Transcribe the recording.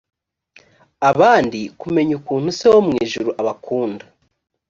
abandi kumenya ukuntu se wo mu ijuru abakunda